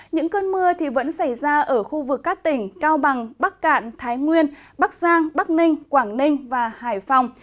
những cơn mưa vẫn xảy ra ở khu vực các tỉnh cao bằng bắc cạn thái nguyên bắc giang bắc ninh quảng ninh và hải phòng